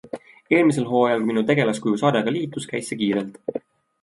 Eelmisel hooajal, kui minu tegelaskuju sarjaga liitus, käis see kiirelt.